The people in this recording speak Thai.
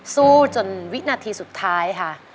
สู้จนวินาทีสุดท้ายค่ะ